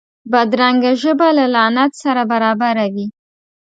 بدرنګه ژبه له لعنت سره برابره وي